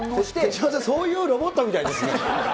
手嶋さん、そういうロボットみたいですね。